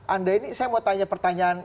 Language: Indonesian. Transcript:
anda ini saya mau tanya pertanyaan